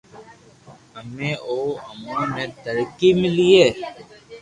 اي مون امون ني ترقي ملئي